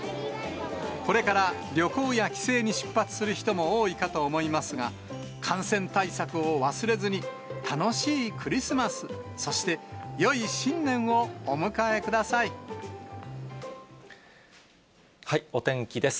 これから旅行や帰省に出発する人も多いかと思いますが、感染対策を忘れずに、楽しいクリスマス、お天気です。